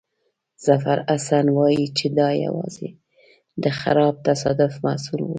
ظفرحسن وایي چې دا یوازې د خراب تصادف محصول وو.